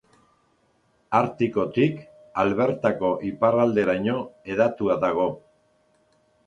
Artikotik Albertako iparralderaino hedatua dago.